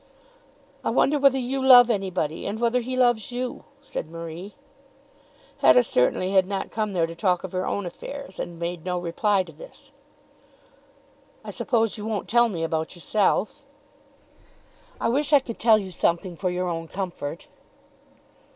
"I wonder whether you love anybody, and whether he loves you," said Marie. Hetta certainly had not come there to talk of her own affairs, and made no reply to this. "I suppose you won't tell me about yourself." "I wish I could tell you something for your own comfort."